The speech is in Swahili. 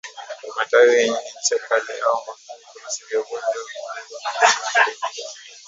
matawi yenye ncha kali au magumu Virusi vya ugonjwa huu vinaweza kudumu kwenye vidonda